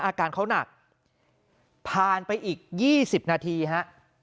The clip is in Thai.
อาการเขาหนักผ่านไปอีก๒๐นาทีฮะ